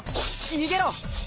逃げろ！